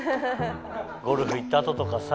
ゴルフ行った後とかさ